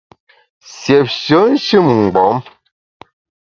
Siépshe nshin-mgbom !